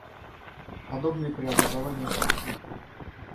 Подобные преобразования хрупки.